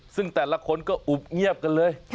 ซึ่งแต่ละคนก็อุบเงียบกันเลย